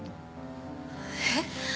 えっ？